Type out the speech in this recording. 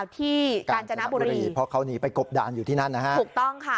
กาญจนบุรีเพราะเขาหนีไปกบดานอยู่ที่นั่นนะฮะถูกต้องค่ะ